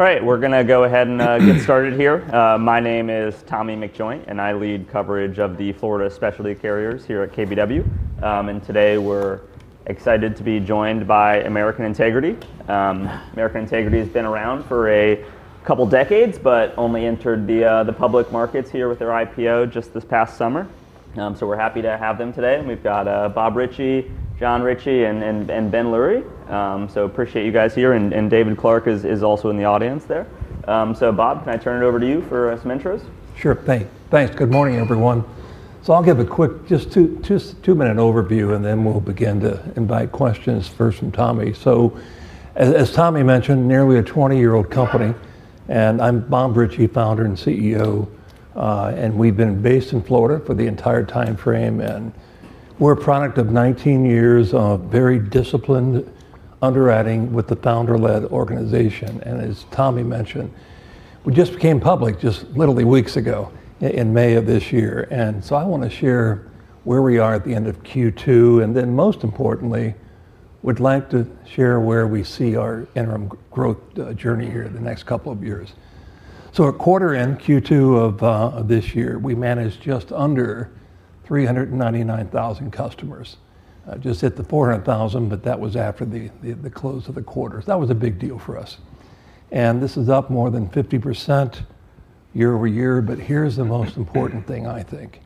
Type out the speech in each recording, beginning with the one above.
Alright. We're gonna go ahead and get started here. My name is Tommy McJoint, and I lead coverage of the Florida specialty carriers here at KBW. And today, we're excited to be joined by American Integrity. American Integrity has been around for a couple decades, but only entered the public markets here with their IPO just this past summer. So we're happy to have them today. And we've got Bob Ritchie, John Ritchie, and Ben Lurie. So appreciate you guys here. And David Clark is also in the audience there. So Bob, can I turn it over to you for some intros? Sure. Thanks. Good morning everyone. So I'll give a quick just two minute overview and then we'll begin to invite questions first from Tommy. So as Tommy mentioned, nearly a twenty year old company And I'm Bob Ritchie, founder and CEO. And we've been based in Florida for the entire time frame. And we're a product of nineteen years of very disciplined underwriting with the founder led organization. And as Tommy mentioned, we just became public just literally weeks ago in May. And so I want to share where we are at the end of Q2. And then most importantly, we'd like to share where we see our interim growth journey here in the next couple of years. So at quarter end, Q2 of this year, we managed just under 399,000 customers. Just hit the 400,000, but that was after the close of the quarter. So that was a big deal for us. And this is up more than 50% year over year, but here's the most important thing I think.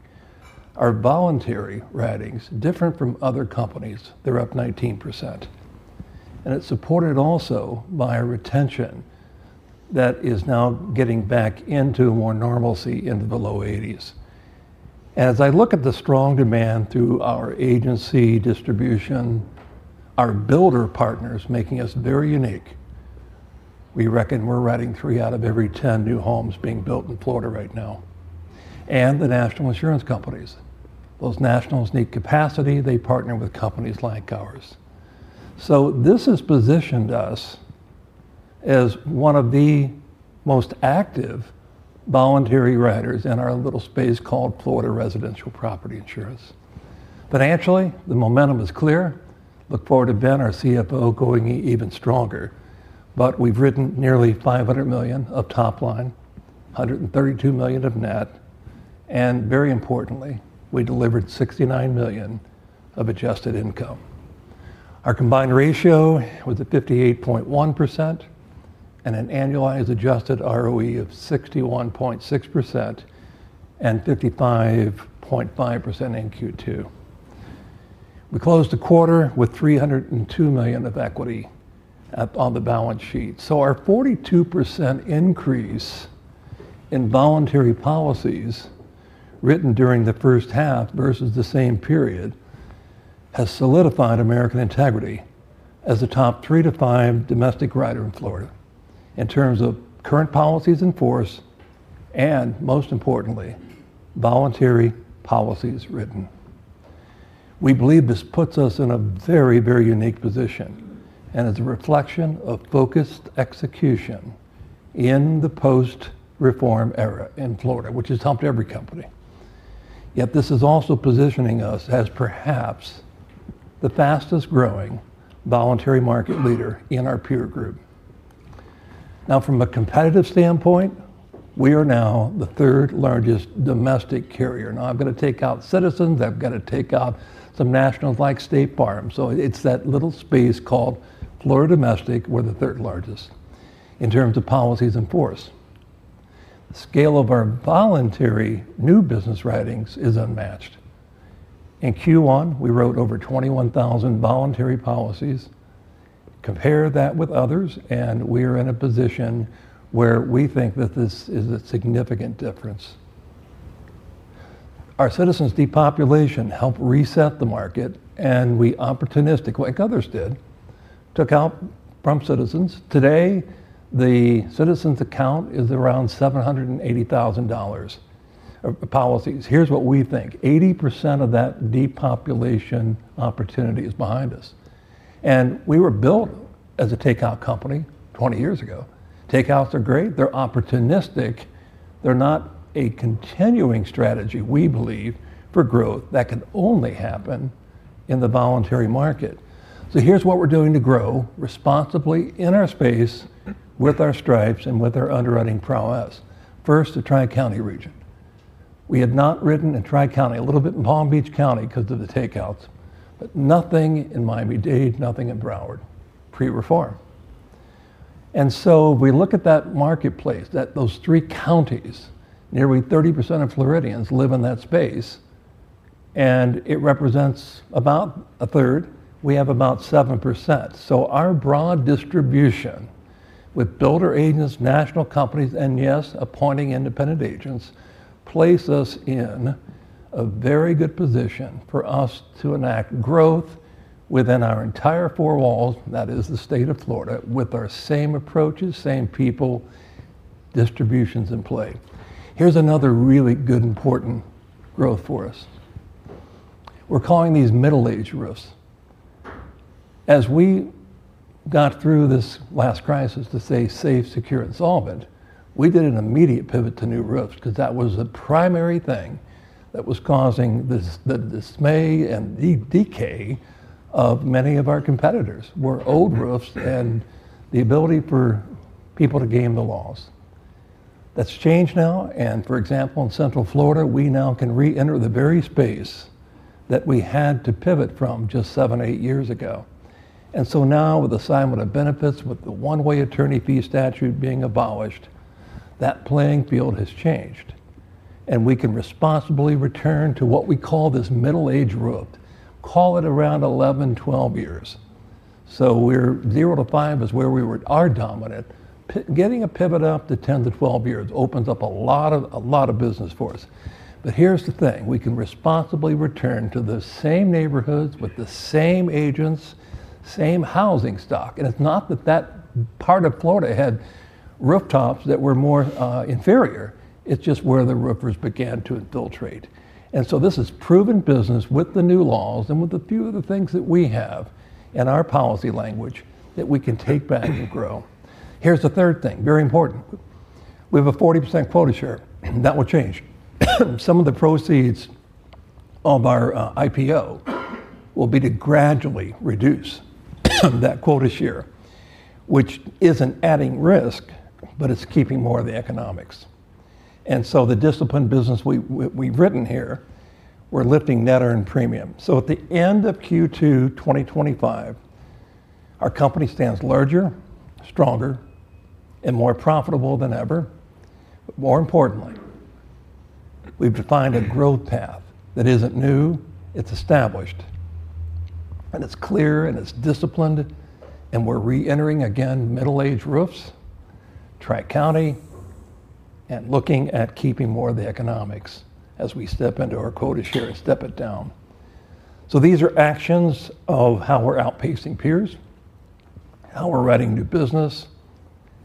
Our voluntary writings, different from other companies, they're up 19%. And it's supported also by a retention that is now getting back into more normalcy into the low eighties. As I look at the strong demand through our agency distribution, our builder partners making us very unique, We reckon we're writing three out of every 10 new homes being built in Florida right now. And the national insurance companies. Those nationals need capacity, partner with companies like ours. So this has positioned us as one of the most active voluntary riders in our little space called Florida Residential Property Insurance. Financially, the momentum is clear. Look forward to Ben, our CFO, going even stronger. But we've written nearly $500,000,000 of top line, 132,000,000 of net, and very importantly, we delivered $69,000,000 of adjusted income. Our combined ratio was at 58.1% and an annualized adjusted ROE of sixty one point six percent and fifty five point five percent in Q2. We closed the quarter with $3.00 $2,000,000 of equity on the balance sheet. So our 42% increase in voluntary policies written during the first half versus the same period has solidified American Integrity as the top three to five domestic writer in Florida in terms of current policies in force and most importantly voluntary policies written. We believe this puts us in a very very unique position And it's a reflection of focused execution in the post reform era in Florida, which has helped every company. Yet this is also positioning us as perhaps the fastest growing voluntary market leader in our peer group. Now from a competitive standpoint, we are now the third largest domestic carrier. Now I'm going to take out citizens, I've got to take out some nationals like State Farm. So it's that little space called Florida domestic, we're the third largest. In terms of policies in force. The scale of our voluntary new business writings is unmatched. In Q1, we wrote over 21,000 voluntary policies. Compare that with others, and we are in a position where we think that this is a significant difference. Our citizens depopulation helped reset the market and we opportunistic, like others did, took out Trump citizens. Today, the citizens account is around 7 and $80,000 of policies. Here's what we think. 80% of that depopulation opportunity is behind us. And we were built as a takeout company twenty years ago. Takeouts are great. They're opportunistic. They're not a continuing strategy, we believe, for growth. That can only happen in the voluntary market. So here's what we're doing to grow responsibly in our space with our stripes and with our underwriting prowess. First, the Tri County region. We had not ridden in Tri County, a little bit in Palm Beach County because of the takeouts, but nothing in Miami Dade, nothing in Broward, pre reform. And so we look at that marketplace, those three counties, nearly 30% of Floridians live in that space, and it represents about a third, we have about 7%. So our broad distribution with builder agents, national companies, and yes, appointing independent agents, place us in a very good position for us to enact growth within our entire four walls, that is the state of Florida, with our same approaches, same people, distributions in play. Here's another really good important growth for us. We're calling these middle aged roofs. As we got through this last crisis to say safe, secure and solvent, we did an immediate pivot to new roofs because that was the primary thing that was causing the dismay and decay of many of our competitors, were old roofs and the ability for people to game the laws. That's changed now and for example in Central Florida we now can reenter the very space that we had to pivot from just seven or eight years ago. And so now with the Simon of Benefits, with the one way attorney fee statute being abolished, That playing field has changed. And we can responsibly return to what we call this middle age group. Call it around eleven-twelve years. So we're zero to five is where we are dominant. Getting a pivot up to ten to twelve years opens up a lot of a lot of business for us. But here's the thing, we can responsibly return to the same neighborhoods with the same agents, same housing stock. And it's not that that part of Florida had rooftops that were more inferior, it's just where the roofers began to infiltrate. And so this is proven business with the new laws and with a few of the things that we have in our policy language that we can take back and grow. Here's the third thing, very important. We have a 40% quota share. That will change. Some of the proceeds of our IPO will be to gradually reduce that quota share. Which isn't adding risk, but it's keeping more of the economics. And so the disciplined business we've written here, we're lifting net earned premium. So at the end of Q2 twenty twenty five, our company stands larger, stronger and more profitable than ever. But more importantly, we've defined a growth path that isn't new, it's established. And it's clear and it's disciplined and we're reentering again middle aged roofs, Tri County, and looking at keeping more of the economics as we step into our quota share and step it down. So these are actions of how we're outpacing peers, how we're writing new business,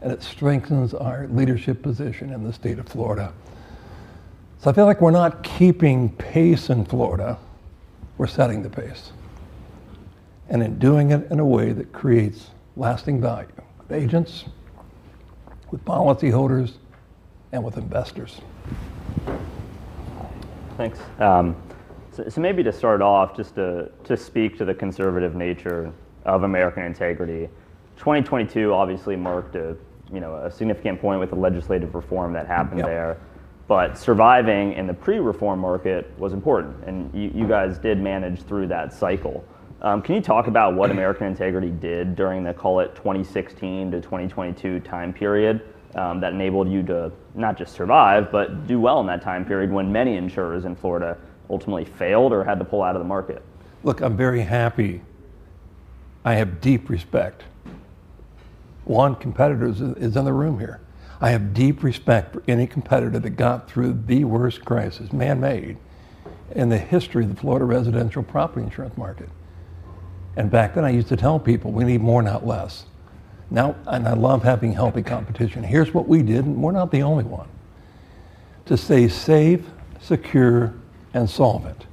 and it strengthens our leadership position in the state of Florida. So I feel like we're not keeping pace in Florida, we're setting the pace. And in doing it in a way that creates lasting value. With agents, with policyholders, and with investors. Thanks. So maybe to start off, just to speak to the conservative nature of American integrity. 2022 obviously marked a, you know, a significant point with the legislative reform that happened there, but surviving in the pre reform market was important, and you you guys did manage through that cycle. Can you talk about what American integrity did during the, call it, 2016 to 2022 time period that enabled you to not just survive, but do well in that time period when many insurers in Florida ultimately failed or had to pull out of the market? Look, I'm very happy. I have deep respect. One competitor is in the room here. I have deep respect for any competitor that got through the worst crisis, man made, in the history of the Florida residential property insurance market. And back then I used to tell people we need more not less. Now, and I love having healthy competition. Here's what we did and we're not the only one. To stay safe, secure and solvent.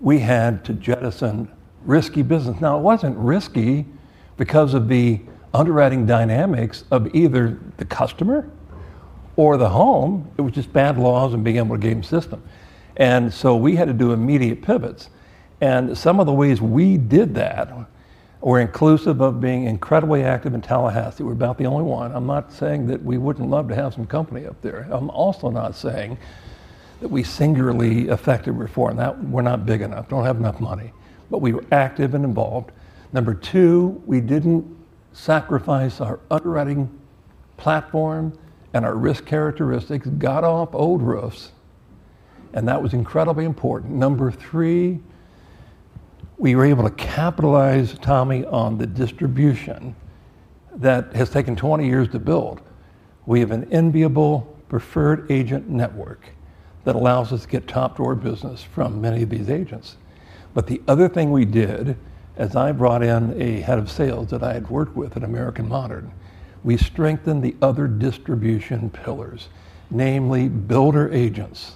We had to jettison risky business. Now it wasn't risky because of the underwriting dynamics of either the customer or the home. It was just bad laws and being able to game system. And so we had to do immediate pivots. And some of the ways we did that were inclusive of being incredibly active in Tallahassee. We're about the only one. I'm not saying that we wouldn't love to have some company up there. I'm also not saying that we singularly effective reform. That we're not big enough. We don't have enough money. But we were active and involved. Number two, we didn't sacrifice our underwriting platform and our risk characteristics. Got off old roofs. And that was incredibly important. Number three, we were able to capitalize, Tommy, on the distribution that has taken twenty years to build. We have an enviable preferred agent network that allows us to get top door business from many of these agents. But the other thing we did, as I brought in a head of sales that I had worked with at American Modern, we strengthened the other distribution pillars. Namely builder agents.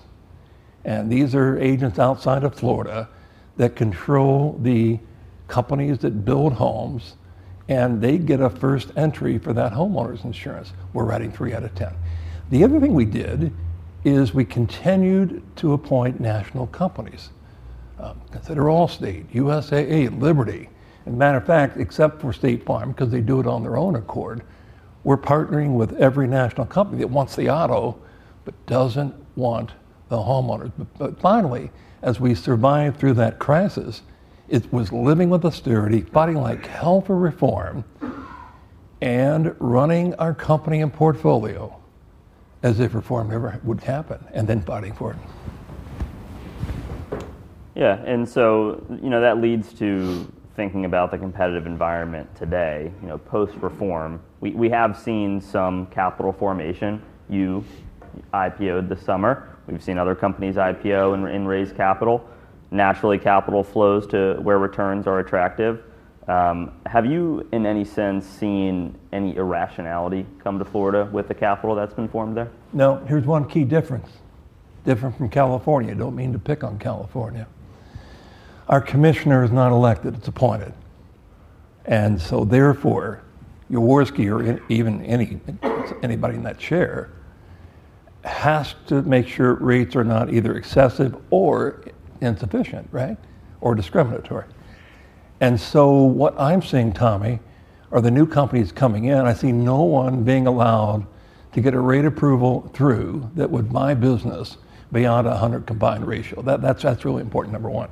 And these are agents outside of Florida that control the companies that build homes and they get a first entry for that homeowners insurance. We're rating three out of 10. The other thing we did is we continued to appoint national companies. Consider Allstate, USAA, Liberty. As a matter of fact, for State Farm because they do it on their own accord, we're partnering with every national company that wants the auto but doesn't want the homeowners. But finally, as we survived through that crisis, it was living with austerity, fighting like hell for reform and running our company and portfolio as if reform never would happen and then fighting for it. Yeah. And so, you know, that leads to thinking about the competitive environment today, you know, post reform. We have seen some capital formation. You IPO ed this summer. We've seen other companies IPO and raise capital. Naturally, capital flows to where returns are attractive. Have you, in any sense, irrationality come to Florida with the capital that's been formed there? No. Here's one key difference. Different from California. I don't mean to pick on California. Our commissioner is not elected, it's appointed. And so therefore, Jaworski or even anybody in that chair has to make sure rates are not either excessive or insufficient, right? Or discriminatory. And so what I'm seeing Tommy, are the new companies coming in. I see no one being allowed to get a rate approval through that would buy business beyond a 100 combined ratio. That's really important number one.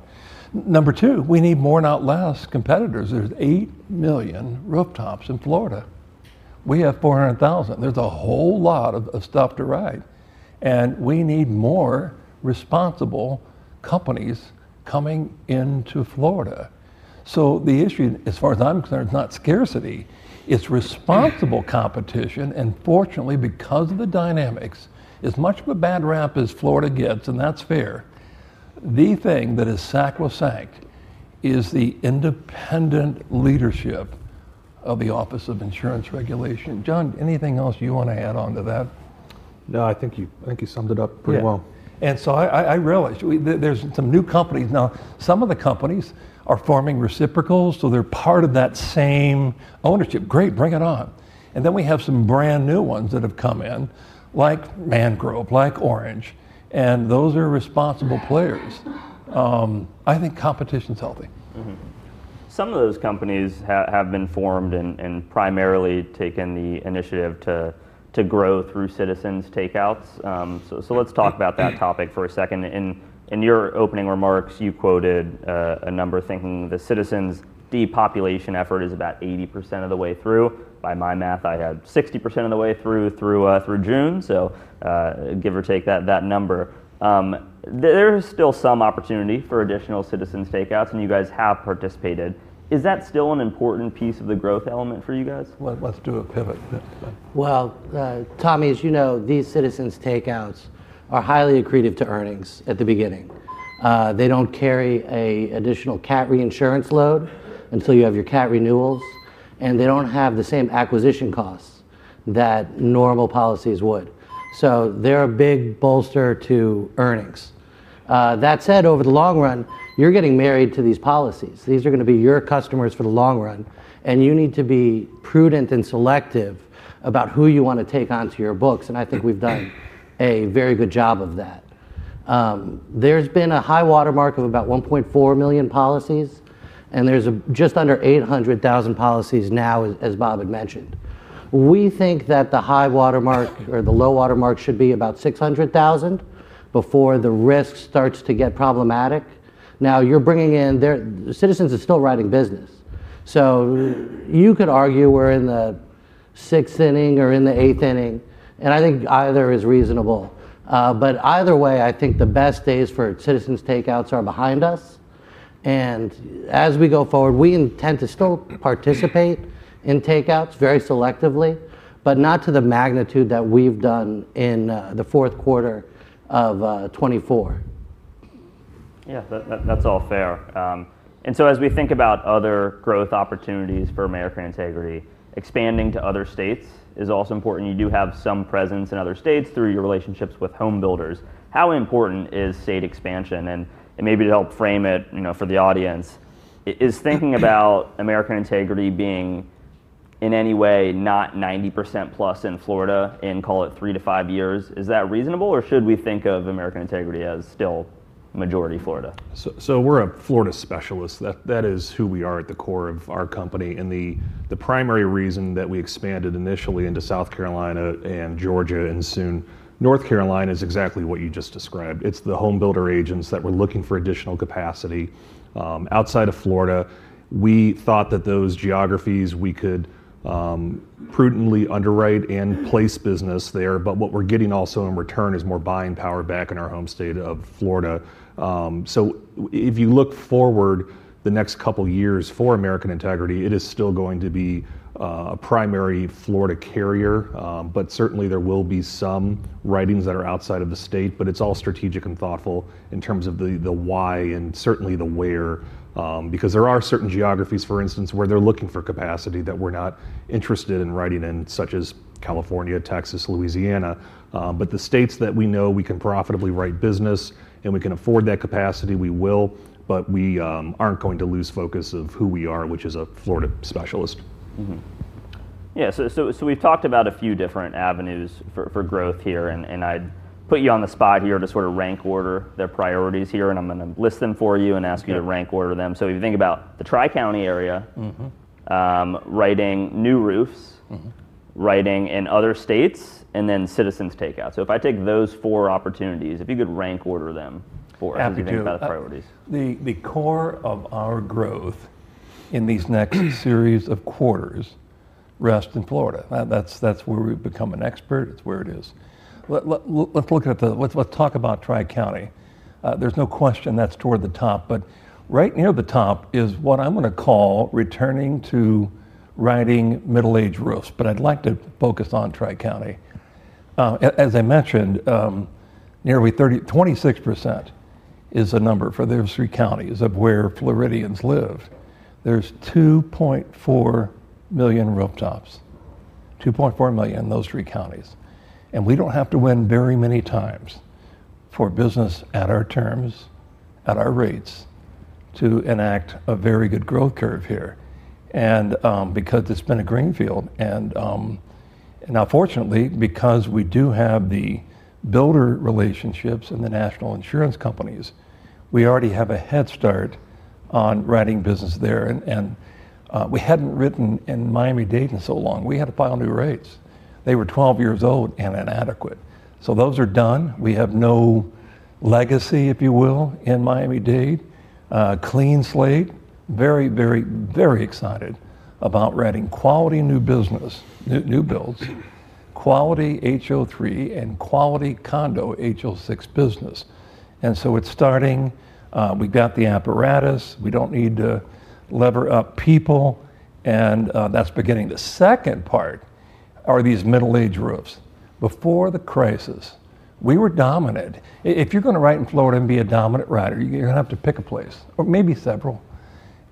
Number two, we need more not less competitors. There's 8,000,000 rooftops in Florida. We have 400,000. There's a whole lot of stuff to ride. And we need more responsible companies coming into Florida. So the issue, as far as I'm concerned, is not scarcity. It's responsible competition and fortunately because of the dynamics, as much of a bad rap as Florida gets, and that's fair, the thing that is sacrosanct is the independent leadership of the Office of Insurance Regulation. John, anything else you want to add on to that? No, I think you summed it up pretty And so I realized, there's some new companies. Now some of the companies are forming reciprocals, so they're part of that same ownership. Great. Bring it on. And then we have some brand new ones that have come in, like Mangrove, like Orange, and those are responsible players. I think competition is healthy. Some of those companies have been formed and primarily taken the initiative to grow through Citizens takeouts. Let's talk about that topic for a second. In your opening remarks you quoted a number thinking the citizens depopulation effort is about 80% of the way through. By my math I had 60% of the way through June so give or take that number. There is still some opportunity for additional Citizens takeouts and you guys have participated. Is that still an important piece of the growth element for you guys? Let's do a pivot. Tommy, as you know, these Citizens takeouts are highly accretive to earnings earnings at the beginning. They don't carry an additional cat reinsurance load until you have your cat renewals, and they don't have the same acquisition costs that normal policies would. So they're a big bolster to earnings. That said, the long run, you're getting married to these policies. These are going be your customers for the long run, and you need to be prudent and selective about who you want to take on to your books, and I think we've done a very good job of that. There's been a high watermark of about 1,400,000 policies, and there's just under 800,000 policies now, as Bob had mentioned. We think that the high watermark or the low watermark should be about 600,000 before the risk starts to get problematic. Now, you're bringing in Citizens is still writing business, so you could argue we're in the sixth inning or in the eighth inning, and I think either is reasonable. But either way, I think the best days for Citizens takeouts are behind us, and as we go forward, we intend to still participate in takeouts very selectively, but not to the magnitude that we've done in the '4. Yeah, that's all fair. And so as we think about other growth opportunities for American Integrity, expanding to other states is also important. You do have some presence in other states through your relationships with homebuilders. How important is state expansion? And maybe to help frame it for the audience, is thinking about American Integrity being in any way not 90% plus in Florida in, call it, three to five years, is that reasonable? Or should we think of American Integrity as still majority Florida? So we're a Florida specialist. That is who we are at the core of our company. And the primary reason that we expanded initially into South Carolina and Georgia and soon North Carolina is exactly what you just described. It's the homebuilder agents that were looking for additional capacity. Outside of Florida, we thought that those geographies we could prudently underwrite and place business there, but what we're getting also in return is more buying power back in our home state of Florida. So if you look forward the next couple years for American Integrity, it is still going to be primary Florida carrier. But certainly, there will be some writings that are outside of the state, but it's all strategic and thoughtful in terms of the the why and certainly the where. Because there are certain geographies for instance where they're looking for capacity that we're not interested in writing in such as California, Texas, Louisiana. But the states that we know we can profitably write business and we can afford that capacity, we will, But we aren't going to lose focus of who we are, which is a Florida specialist. Yeah. So we've talked about a few different avenues for growth here and I'd put you on the spot here to sort of rank order their priorities and I'm gonna list them for you and ask you to rank order them. If you think about the Tri County area, writing new roofs, writing in other states and then citizens take out. So if I take those four opportunities, if you could rank order them everything Absolutely. About the The core of our growth in these next series of quarters rests in Florida. That's where we've become an expert, it's where it is. Let's look at the, let's talk about Tri County. There's no question that's toward the top but right near the top is what I'm going to call returning to riding middle aged roofs but I'd like to focus on Tri County. As I mentioned nearly 3026% is the number for those three counties of where Floridians live. There's 2,400,000 rooftops. 2,400,000 in those three counties. And we don't have to win very many times for business at our terms, at our rates, to enact a very good growth curve here. And because it's been a greenfield and now fortunately because we do have the builder relationships and the national insurance companies, we already have a head start on writing business there. We hadn't written in Miami Dade in so long. We had to file new rates. They were twelve years old and inadequate. So those are done. We have no legacy, if you will, in Miami Dade. Clean slate. Very, very, very excited about writing quality new business, new builds, quality h o three and quality condo h o six business. And so it's starting, we've got the apparatus, we don't need to lever up people and that's beginning. The second part are these middle age roofs. Before the crisis, we were dominant. If you're going to write in Florida and be a dominant writer, you're going have to pick a place, or maybe several.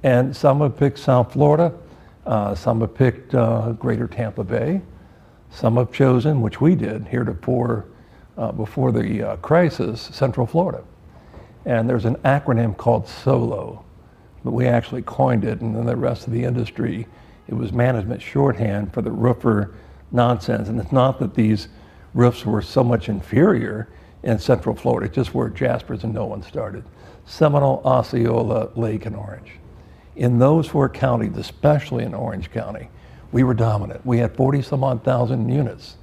And some have picked South Florida, some have picked Greater Tampa Bay, Some have chosen, which we did, heretofore before the crisis, Central Florida. And there's an acronym called SOLO. But we actually coined it and then the rest of the industry, it was management shorthand for the roofer nonsense. And it's not that these roofs were so much inferior in Central Florida. It just weren't Jasper's and no one started. Seminole, Osceola, Lake and Orange. In those four counties, especially in Orange County, we were dominant. We had 40 some odd thousand units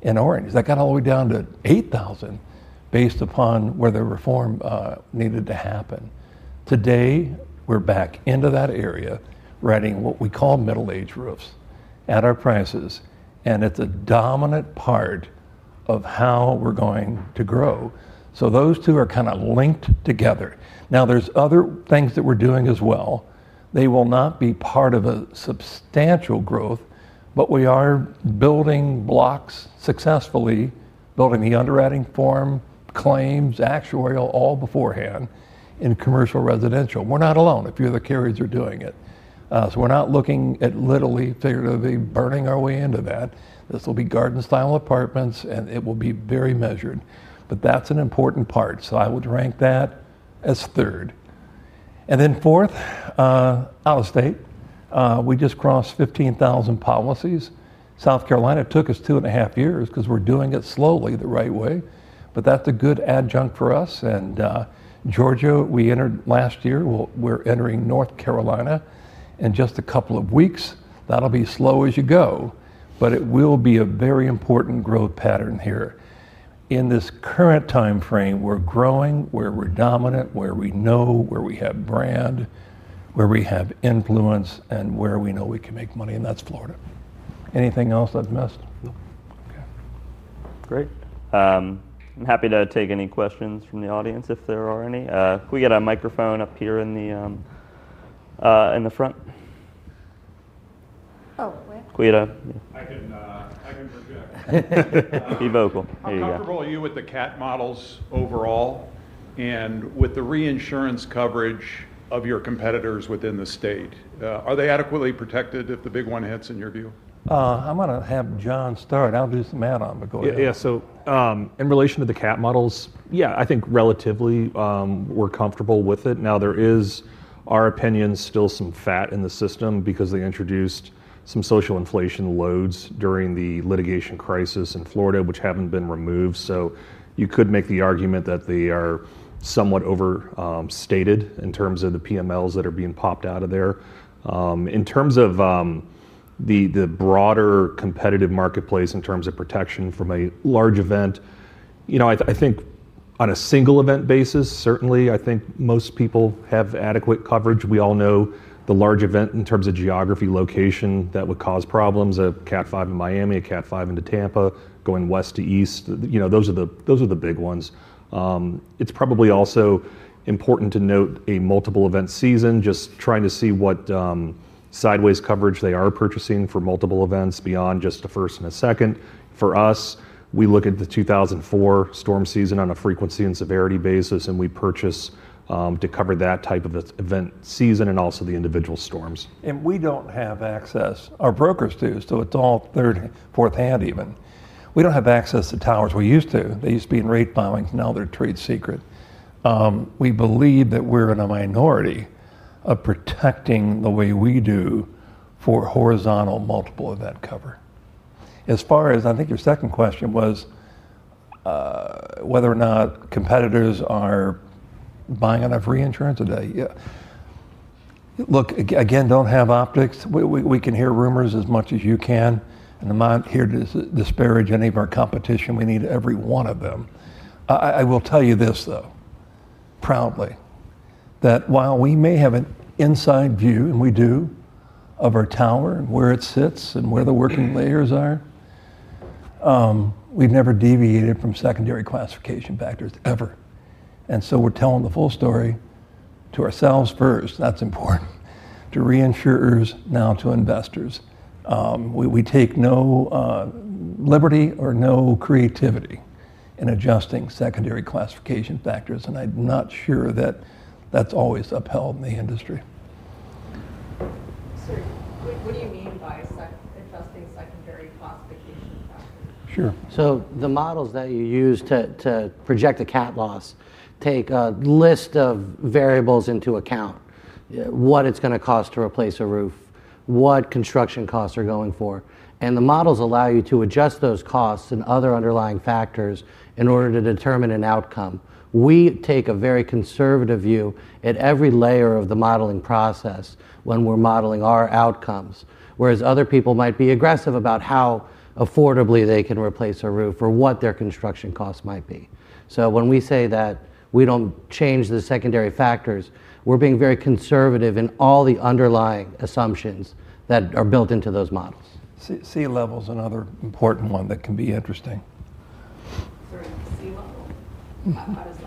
in Orange. That got all the way down to 8,000 based upon where the reform needed to happen. Today we're back into that area writing what we call middle aged roofs at our prices and it's a dominant part of how we're going to grow. So those two are kind of linked together. Now there's other things that we're doing as well. They will not be part of a substantial growth but we are building blocks successfully, building the underwriting form, claims, actuarial all beforehand in commercial residential. We're not alone if you're the carriers are doing it. So we're not looking at literally, figuratively burning our way into that. This will be garden style apartments and it will be very measured. But that's an important part, so I would rank that as third. And then fourth, out of state. We just crossed 15,000 policies. South Carolina took us two and a half years because we're doing it slowly the right way, but that's a good adjunct for us. And Georgia we entered last year we're entering North Carolina in just a couple of weeks that'll be slow as you go but it will be a very important growth pattern here in this current time frame we're growing where we're dominant where we know where we have brand where we have influence and where we know we can make money and that's Florida anything else I've missed great I'm happy to take any questions from the audience if there are any. Can we get a microphone up here in the front? We get a can project. Be vocal. How comfortable are you with CAT models overall and with the reinsurance coverage of your competitors within the state? Are they adequately protected if the big one hits in your view? I'm going to have John start. I'll do some math on, but go ahead. Yes. So in relation to the CAT models, yeah, I think relatively, we're comfortable with it. Now there is, our opinion, still some fat in the system because they introduced some social inflation loads during the litigation crisis in Florida, haven't been removed. So you could make the argument that they are somewhat overstated in terms of the PMLs that are being popped out of there. In terms of the broader competitive marketplace in terms of protection from a large event, You know, I I think on a single event basis, certainly, I think most people have adequate coverage. We all know the large event in terms of geography location that would cause problems, a cat five in Miami, a cat five into Tampa going west to east, you know, those are the those are the big ones. It's probably also important to note a multiple event season just trying to see what sideways coverage they are purchasing for multiple events beyond just the first and the second. For us, we look at the 2004 storm season on a frequency and severity basis and we purchase to cover that type of event season and also the individual storms. And we don't have access, our brokers do so it's all third fourth hand even. We don't have access to towers. We used to. They used to be in rate filings, now they're trade secret. We believe that we're in a minority of protecting the way we do for horizontal multiple event cover. As far as I think your second question was whether or not competitors are buying enough reinsurance a day. Look, again, don't have optics. We can hear rumors as much as you can. I'm not here to disparage any of our competition. We need every one of them. I will tell you this though, proudly. That while we may have an inside view, and we do, of our tower and where it sits and where the working layers are, we've never deviated from secondary classification factors ever. And so we're telling the full story to ourselves first, that's important, to reinsurers, now to investors. We take no liberty or no creativity in adjusting secondary classification factors. And I'm not sure that that's always upheld in the industry. So what do you mean by adjusting secondary classification factors? Sure. So the models that you use to project a cat loss take a list of variables into account. What it's going to cost to replace a roof, what construction costs are going for, and the models allow you to adjust those costs and other underlying factors in order to determine an outcome. We take a very conservative view at every layer of the modeling process when we're modeling our outcomes, whereas other people might be aggressive about how affordably they can replace a roof or what their construction costs might be. So when we say that we don't change the secondary factors, we're being very conservative in all the underlying assumptions that are built into those models. Sea level is another important one that can be interesting. Sorry, sea level? How does that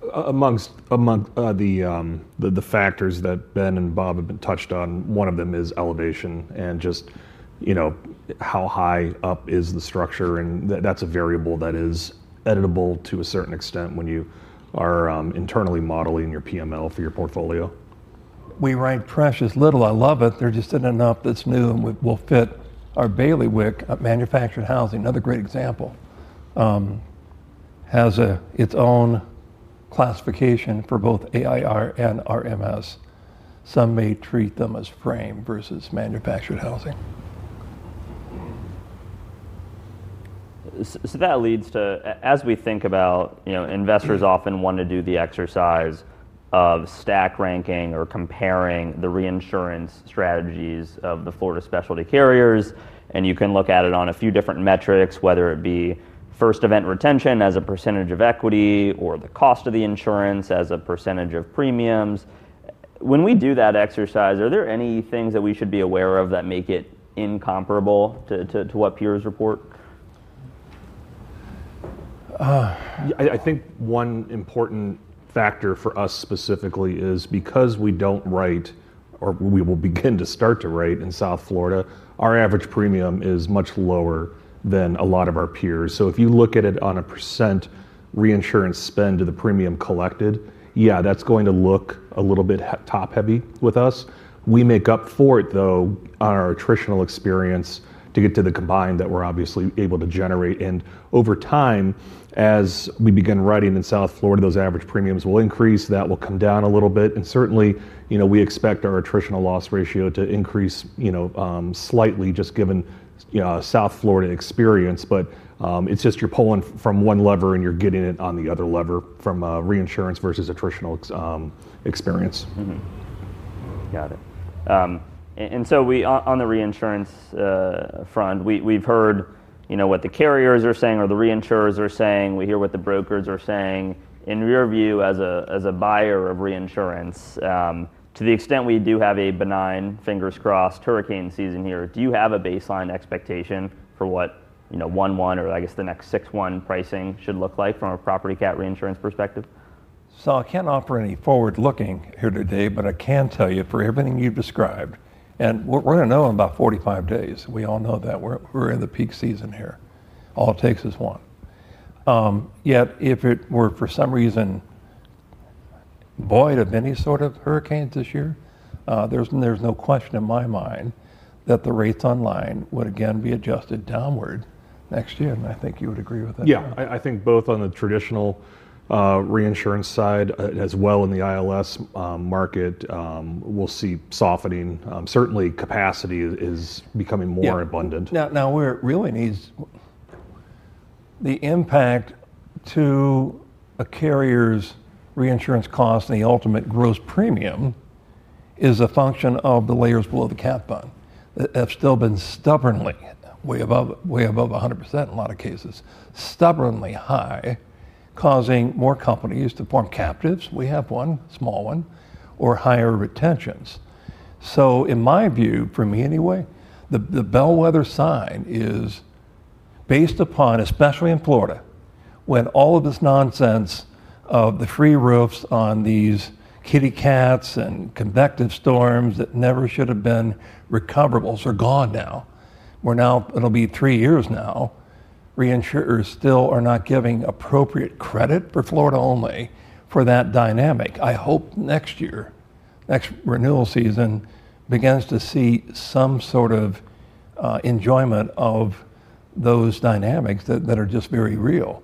work? Amongst the factors that Ben and Bob have been touched on, one of them is elevation and just you know, how high up is the structure and that's a variable that is editable to a certain extent when you are internally modeling your PML for your portfolio. We write precious little. I love it. There just isn't enough new and will fit our baileywick manufactured housing. Another great example. Has its own classification for both AIR and RMS. Some may treat them as frame versus manufactured housing. So that leads to as we think about you know investors often want to do the exercise of stack ranking or comparing the reinsurance strategies of the Florida specialty carriers and you can look at it on a few different metrics whether it be first event retention as a percentage of equity or the cost of the insurance as a percentage of premiums. When we do that exercise, there any things that we should be aware of that make it incomparable to to to what peers report? I I think one important factor for us specifically is because we don't write or we will begin to start to write in South Florida, our average premium is much lower than a lot of our peers. So if you look at it on a percent reinsurance spend to the premium collected, yes, that's going to look a little bit top heavy with us. We make up for it, though, on our attritional experience to get to the combined that we're obviously able to generate. And over time, as we begin writing in South Florida, those average premiums will increase, that will come down a little bit. And certainly, we expect our attritional loss ratio to increase slightly just given South Florida experience. But it's just you're pulling from one lever and you're getting it on the other lever from a reinsurance versus attritional experience. Got it. And so on the reinsurance front we've heard what the carriers are saying or the reinsurers are saying. We hear what the brokers are saying. In your view as a buyer of reinsurance to the extent we do have a benign fingers crossed hurricane season here, do you have a baseline expectation for what you know oneone or I guess the next sixone pricing should look like from a property cat reinsurance perspective? So I can't offer any forward looking here today but I can tell you for everything you've described and we're going know in about forty five days we all know that we're in the peak season here all it takes is one. Yet if it were for some reason void of any sort of hurricanes this year, there's no question in my mind that the rates online would again be adjusted downward next year and I think you would agree with that. Yeah, think both on the traditional reinsurance side as well in the ILS market we'll see softening certainly capacity is becoming more abundant. Now where it really needs the impact to a carrier's reinsurance cost and the ultimate gross premium is a function of the layers below the cat bun. They've still been stubbornly way above 100% in a lot of cases, stubbornly high, causing more companies to form captives, we have one, small one, or higher retentions. So in my view, for me anyway, the bellwether sign is based upon especially in Florida when all of this nonsense of the free roofs on these kitty cats and convective storms that never should have been recoverable are gone now. We're now it'll be three years now reinsurers still are not giving appropriate credit for Florida only for that dynamic. I hope next year, next renewal season begins to see some sort of enjoyment of those dynamics that are just very real.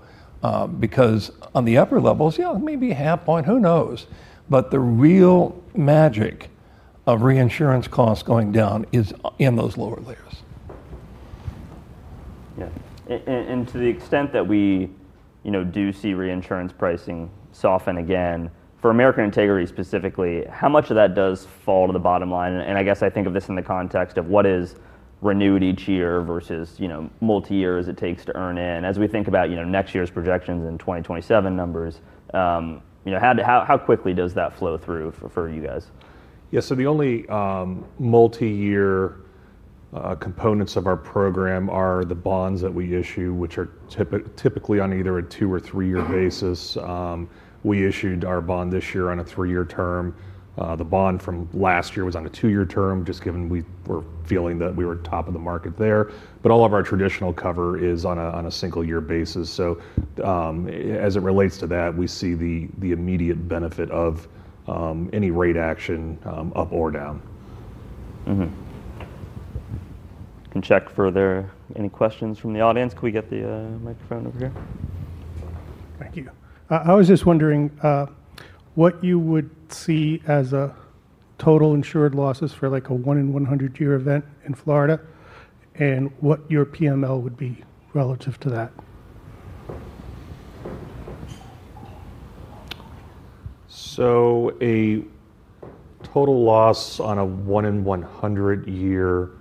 Because on the upper levels, yeah, maybe half point, who knows? But the real magic of reinsurance costs going down is in those And to the extent that we do see reinsurance pricing soften again, for American Integrity specifically, how much of that does fall to the bottom line? And I guess I think of this in the context of what is renewed each year versus multi years it takes to earn in. As we think about next year's projections and 2027 numbers, how quickly does that flow through for you guys? Yes. So the only multi year components of our program are the bonds that we issue, which are typically on either a two or three year basis. We issued our bond this year on a three year term. The bond from last year was on a two year term, just given we were feeling that we were top of the market there. But all of our traditional cover is on a single year basis. So as it relates to that, we see the immediate benefit of any rate action up or down. We can check further Any questions from the audience? Could we get the microphone over here? Thank you. I was just wondering what you would see as a total insured losses for like a one in 100 event in Florida and what your PML would be relative to that? So a total loss on a one in one hundred year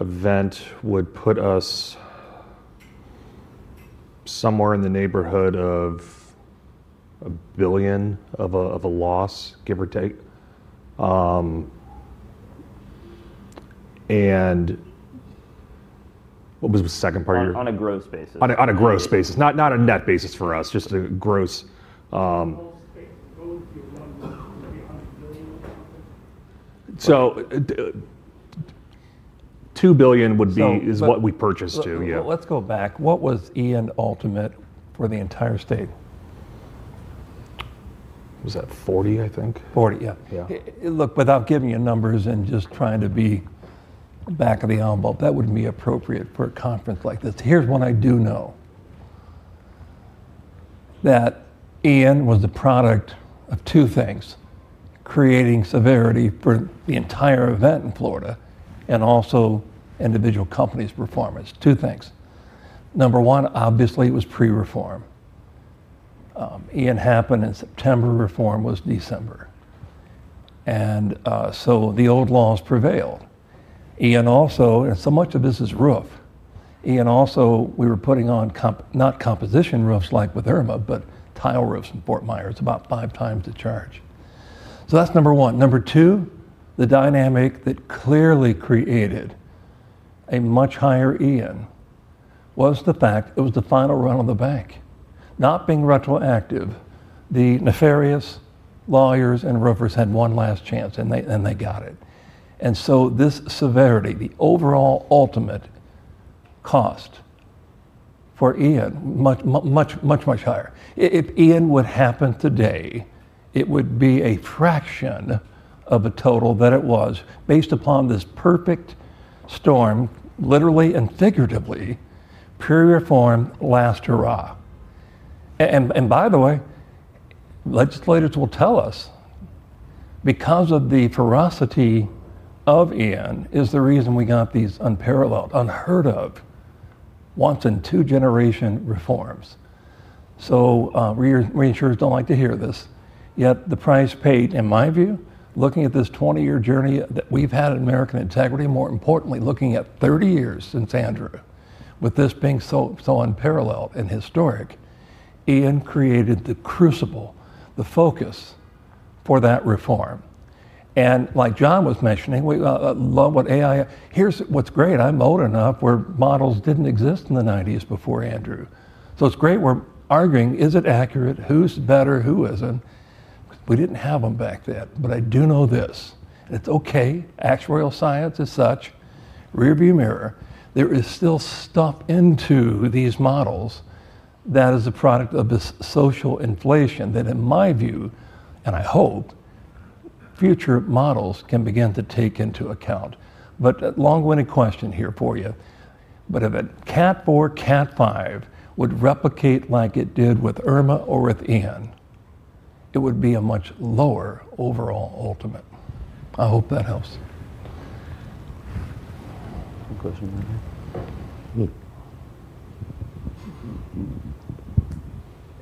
event would put us somewhere in the neighborhood of a billion of a of a loss, give or take. And what was the second part of On your gross basis. On a gross basis. Not not a net basis for us, just a gross The whole space, both your lungs, 100,000,000,000 or something. So 2,000,000,000 would be is what we purchased to you. Let's go back. What was Ian Ultimate for the entire state? Was that 40 I think? 40. Yeah. Yeah. Look, without giving you numbers and just trying to be back of the envelope, that wouldn't be appropriate for a conference like this. Here's what I do know. That Ian was the product of two things. Creating severity for the entire event in Florida and also individual companies' performance. Two things. Number one, obviously it was pre reform. Ian happened in September, reform was December. And so the old laws prevailed. Ian also, and so much of this is roof, Ian also we were putting on comp, not composition roofs like with Irma, but tile roofs in Fort Myers about five times the charge. So that's number one. Number two, the dynamic that clearly created a much higher Ian was the fact it was the final run on the bank. Not being retroactive, the nefarious lawyers and roofer's had one last chance and they got it. And so this severity, the overall ultimate cost for Ian, much much much higher. If Ian would happen today, it would be a fraction of the total that it was based upon this perfect storm literally and figuratively, pure reform last hurrah. And by the way, legislators will tell us, because of the ferocity of Ian, is the reason we got these unparalleled, unheard of, once in two generation reforms. Reinsurers don't like to hear this. Yet the price paid in my view, looking at this twenty year journey that we've had in American integrity, more importantly looking at thirty years since Andrew, with this being so unparalleled and historic, Ian created the crucible, the focus for that reform. And like John was mentioning, we love what AI. Here's what's great. I'm old enough where models didn't exist in the nineties before Andrew. So it's great we're arguing, is it accurate? Who's better? Who isn't? We didn't have them back then. But I do know this. It's okay. Actuarial science is such. Rear view mirror. There is still stuff into these models that is a product of this social inflation that in my view, and I hope, future models can begin to take into account. But a long winded question here for you. But if a cat four cat five would replicate like it did with Irma or with Ian, it would be a much lower overall ultimate. I hope that helps.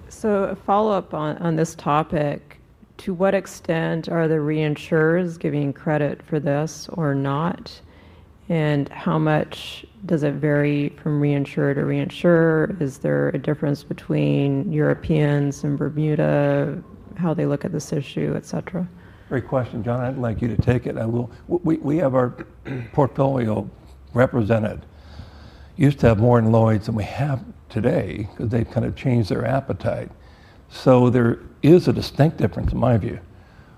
So a follow-up on this topic. To what extent are the reinsurers giving credit for this or not? And how much does it vary from reinsurer to reinsurer is there a difference between Europeans and Bermuda how they look at this issue etc. Great question John I'd like you to take it I will we have our portfolio represented used to have more in Lloyd's than we have today because they've kind of changed their appetite so there is a distinct difference in my view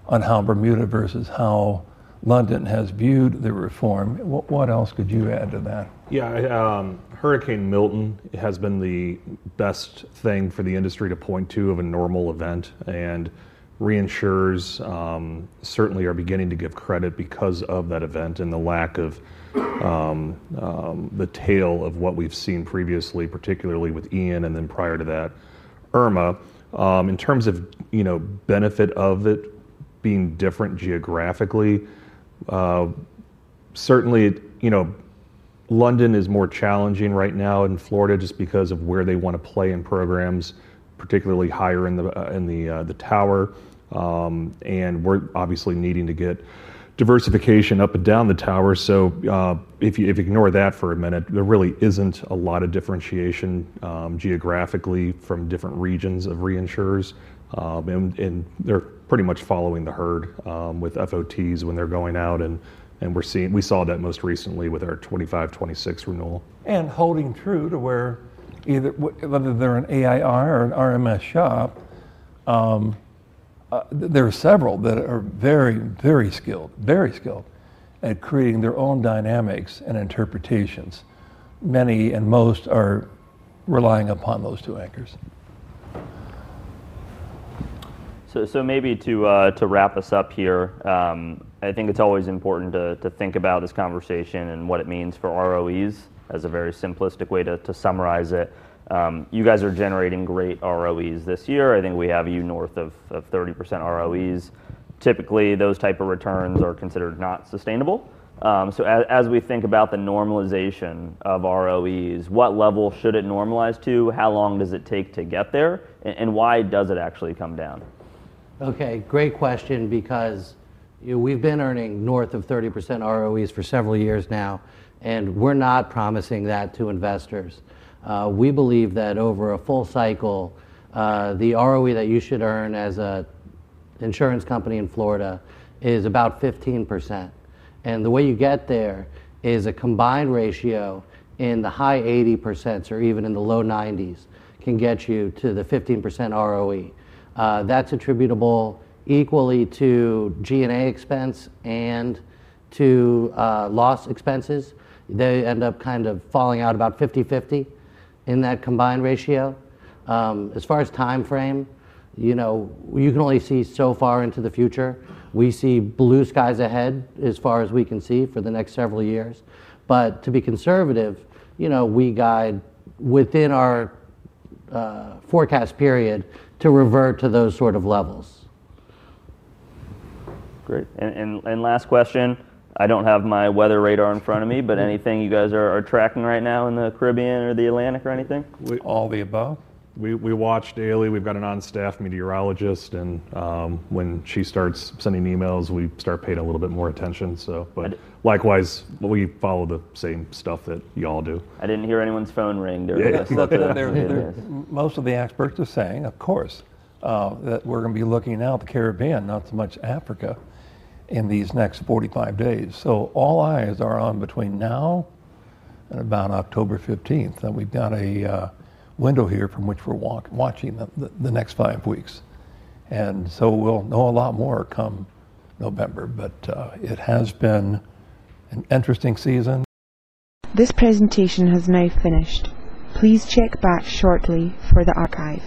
on how Bermuda versus how London has viewed the reform what else could you add to that? Yeah. Hurricane Milton has been the best thing for the industry to point to of a normal event and reinsurers certainly are beginning to give credit because of that event and the lack of the tail of what we've seen previously particularly with Ian and then prior to that Irma. In terms of benefit of it being different geographically, Certainly, you know, London is more challenging right now in Florida just because of where they wanna play in programs, higher in the in the the tower. And we're obviously needing to get diversification up and down the tower. So if you ignore that for a minute, there really isn't a lot of differentiation geographically from different regions of reinsurers and they're pretty much following the herd with F O T's when they're going out and we're seeing we saw that most recently with our 2526 renewal. And holding true to where either whether they're an AIR or an RMS shop. There are several that are very very skilled very skilled at creating their own dynamics and interpretations. Many and most are relying upon those two anchors. So maybe to wrap us up here, I think it's always important to think about this conversation and what it means for ROEs as a very simplistic way to summarize it. You guys are generating great ROEs this year. Think we have you north of 30% ROEs. Typically those type of returns are considered not sustainable. So as we think about the normalization of ROEs, what level should it normalize to? How long does it take to get there? And why does it actually come down? Okay. Great question because we've been earning north of 30% ROEs for several years now, and we're not promising that to investors. We believe that over a full cycle, the ROE that you should earn as an insurance company in Florida is about 15%. And the way you get there is a combined ratio in the high 80 percents or even in the low ninety's can get you to the 15% ROE. That's attributable equally to G and A expense and to loss expenses. They end up kind of falling out about fiftyfifty in that combined ratio. As far as time frame, you you can only see so far into the future. We see blue skies ahead as far as we can see for the next several years. But to be conservative, you know, we guide within our forecast period to revert to those sort of levels. Great and last question, I don't have my weather radar in front of me but anything you guys are tracking right now in The Caribbean or the Atlantic or anything? We All the above. We we watch daily. We've got an on staff meteorologist and when she starts sending emails, start paying a little bit more attention. So But likewise, we follow the same stuff that y'all do. I didn't hear anyone's phone ring during this. Most of the experts are saying of course that we're going to be looking out The Caribbean not so much Africa in these next forty five days so all eyes are on between now and about October 15. And we've got a window here from which we're watching the next five weeks. And so we'll know a lot more come November, but it has been an interesting season. This presentation has now finished. Please check back shortly for the archive.